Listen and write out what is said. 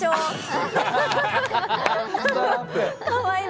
かわいい。